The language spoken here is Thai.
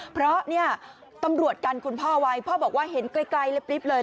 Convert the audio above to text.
เพราะเนี่ยตำรวจกันคุณพ่อไว้พ่อบอกว่าเห็นไกลลิฟต์เลย